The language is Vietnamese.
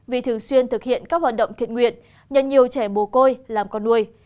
vì thường xuyên thực hiện các hoạt động thiện nguyện nhận nhiều trẻ mồ côi làm con nuôi